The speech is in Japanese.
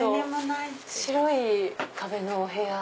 白い壁のお部屋。